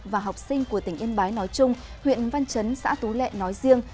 và học sinh của tỉnh yên bái nói chung huyện văn chấn xã tú lệ nói riêng